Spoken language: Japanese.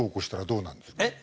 えっ？